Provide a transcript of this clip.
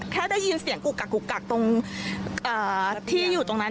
แค่ได้ยินเสียงกุกกักกุกกักตรงที่อยู่ตรงนั้น